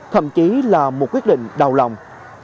thậm chí là một quyết định đau lòng